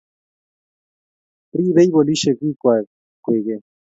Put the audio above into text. Ribei polisiek biikwach kwekeny